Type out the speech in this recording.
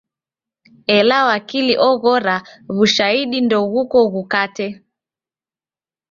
Ela wakili oghora w'ushahidi ndoghuko ghukate.